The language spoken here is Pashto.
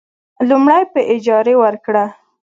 لومړی: په اجارې ورکړه.